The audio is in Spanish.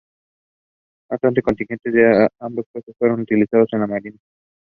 No obstante, contingentes de ambos pueblos fueron utilizados en la marina.